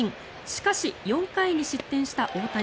しかし、４回に失点した大谷。